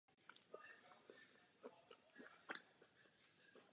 Řeka měla vždy velký ekonomický a strategický význam.